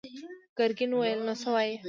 ګرګين وويل: نو څه وايې؟